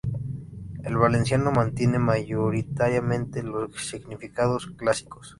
El valenciano mantiene mayoritariamente los significados clásicos.